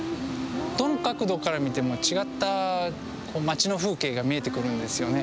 どの角度から見ても違った町の風景が見えてくるんです。